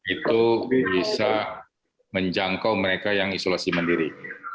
itu bisa menjangkau mereka yang isolasi mandiri